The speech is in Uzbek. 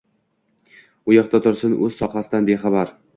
U yoqda tursin, o‘z sohasidan bexabar.